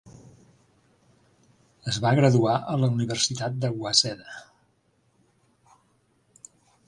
Es va graduar a la Universitat de Waseda.